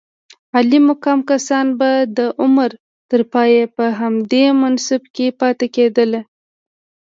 عالي مقام کسان به د عمر تر پایه په همدې منصب کې پاتې کېدل.